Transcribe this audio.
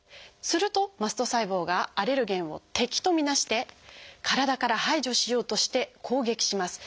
するとマスト細胞がアレルゲンを敵と見なして体から排除しようとして攻撃します。